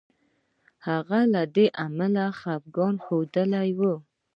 هغه له دې امله خپګان ښودلی وو.